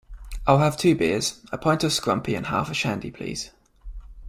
I'll have two beers, a pint of scrumpy and half a shandy please